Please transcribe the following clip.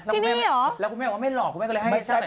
ที่นี่เหรอแล้วคุณแม่ว่าไม่หลอกคุณแม่ก็เลยให้ฉันแต่งหน้าแทน